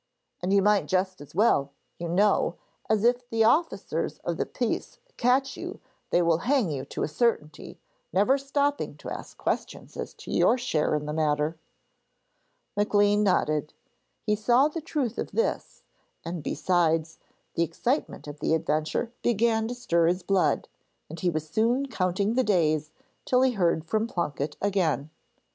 And you might just as well, you know, as if the officers of the peace catch you they will hang you to a certainty, never stopping to ask questions as to your share in the matter.' Maclean nodded. He saw the truth of this, and besides, the excitement of the adventure began to stir his blood, and he was soon counting the days till he heard from Plunket again.